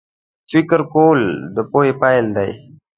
فکر کول د پوهې پیل دی